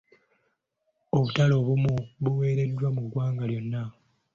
Obutale obumu buwereddwa mu ggwanga lyonna.